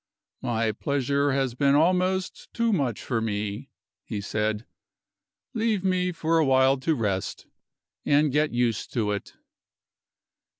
"My pleasure has been almost too much for me," he said. "Leave me for a while to rest, and get used to it."